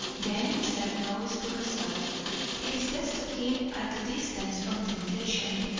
Then, said Lois to herself, it is best to keep at a distance from temptation.